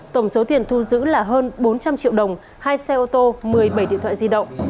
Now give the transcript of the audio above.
tổng số tiền thu giữ là hơn bốn trăm linh triệu đồng hai xe ô tô một mươi bảy điện thoại di động